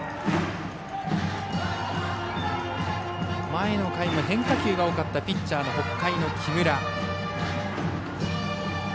前の回は変化球が多かったピッチャーの北海の木村。